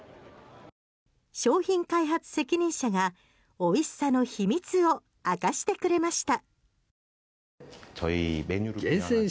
商品開発責任者がおいしさの秘密を明かしてくれました。